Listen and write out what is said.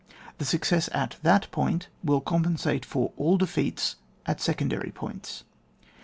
The success at that point will compensate for all defeats at secon dary points.